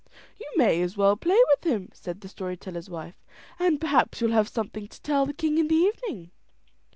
"You may as well play with him," said the story teller's wife; "and perhaps you'll have something to tell the king in the evening."